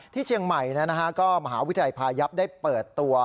ที่เชียงใหม่ก็มหาวิทยาลัยพายับได้เปิดตัว